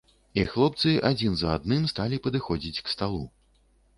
І хлопцы адзін за адным сталі падыходзіць к сталу.